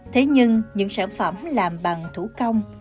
thế nhưng những sản phẩm làm bằng thủ công